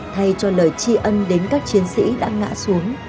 thay cho lời tri ân đến các chiến sĩ đã ngã xuống